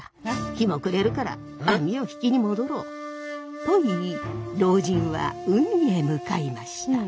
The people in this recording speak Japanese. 日も暮れるから網を引きに戻ろう」と言い老人は海へ向かいました。